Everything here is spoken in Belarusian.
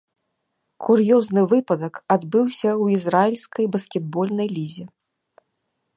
Кур'ёзны выпадак адбыўся ў ізраільскай баскетбольнай лізе.